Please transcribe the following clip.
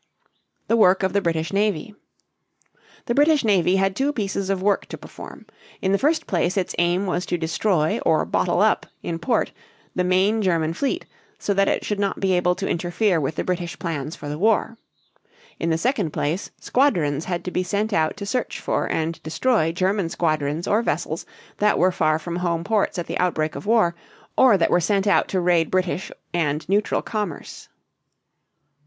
THE WORK OF THE BRITISH NAVY. The British navy had two pieces of work to perform. In the first place its aim was to destroy or bottle up in port the main German fleet so that it should not be able to interfere with the British plans for the war. In the second place squadrons had to be sent out to search for and destroy German squadrons or vessels that were far from home ports at the outbreak of war or that were sent out to raid British and neutral commerce.